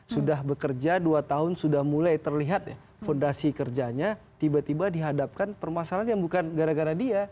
sudah bekerja dua tahun sudah mulai terlihat ya fondasi kerjanya tiba tiba dihadapkan permasalahan yang bukan gara gara dia